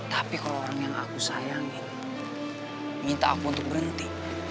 tapi kalau orang yang aku sayangin minta aku untuk berhenti